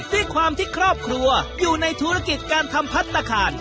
ด้วยความที่ครอบครัวอยู่ในธุรกิจการทำพัฒนาคาร